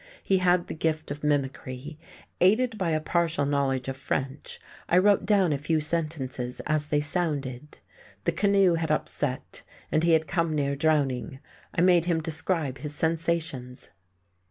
He had the gift of mimicry: aided by a partial knowledge of French I wrote down a few sentences as they sounded. The canoe had upset and he had come near drowning. I made him describe his sensations.